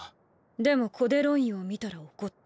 でもコデロインを見たら怒った。